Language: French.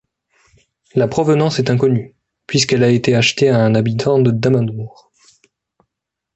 La provenance est inconnue, puisqu'elle a été achetée à un habitant de Damanhour.